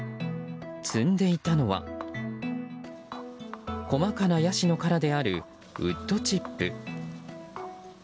積んでいたのは細かなヤシの殻であるウッドチップ。